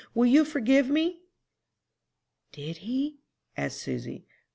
Will you forgive me?'" "Did he?" asked Susy.